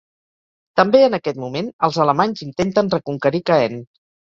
També en aquest moment, els alemanys intenten reconquerir Caen.